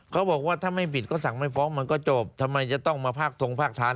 เขาบอกว่าถ้าไม่ผิดก็สั่งไม่ฟ้องมันก็จบทำไมจะต้องมาภาคทงภาคทาน